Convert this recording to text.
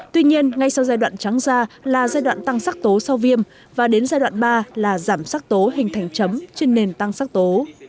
tuy nhiên ngay sau giai đoạn trắng da là giai đoạn tăng sắc tố sau viêm và đến giai đoạn ba là giảm sắc tố hình thành chấm trên nền tăng sắc tố